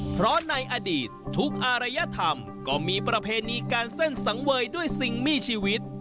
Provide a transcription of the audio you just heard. เพราะในอดีตทุกอารยธรรมก็มีประเพณีการเส้นสังเวยด้วยสิ่งมีชีวิต